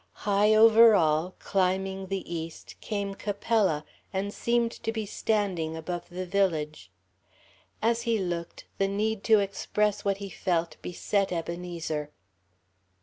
High over all, climbing the east, came Capella, and seemed to be standing above the village. As he looked, the need to express what he felt beset Ebenezer.